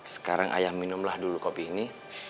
sekarang ayah minumlah dulu kopi ini